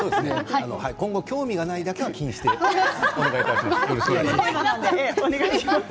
今後、興味がないだけは気にしていただいてお願いします。